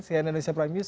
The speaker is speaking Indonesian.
saya indonesia prime news